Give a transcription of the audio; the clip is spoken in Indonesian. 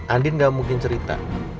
andin gak mungkin cerita